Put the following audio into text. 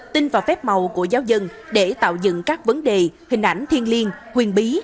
tin vào phép màu của giáo dân để tạo dựng các vấn đề hình ảnh thiên liên huyền bí